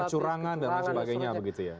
ada kecurangan dan sebagainya begitu ya